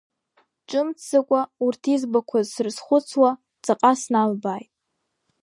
Ҿымҭӡакәа, урҭ избақәаз срызхәыцуа, ҵаҟа сналбааит.